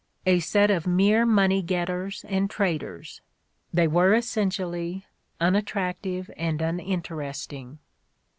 A set of mere money getters and traders, they were essentially unattractive and uninteresting."